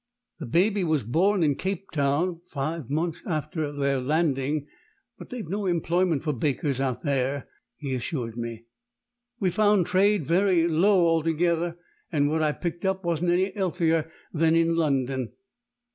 The baby was born in Cape Town, five months after their landing. "But they've no employment for bakers out there," he assured me. "We found trade very low altogether, and what I picked up wasn't any healthier than in London.